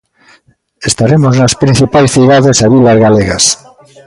Estaremos nas principais cidades e vilas galegas.